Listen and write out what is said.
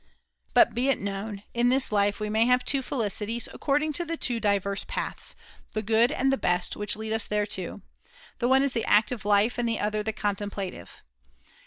^^, But, be it known, in this life we may have plative '^° felicities, according to the two diverse paths, the good and the best, which lead us thereto ; the one is the active life, and the other the con templative.